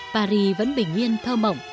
paris vẫn bình yên thơm mộng